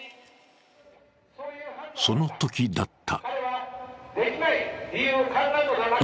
そのときだった。